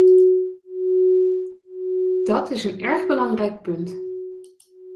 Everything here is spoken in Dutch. Dat is een erg belangrijk punt.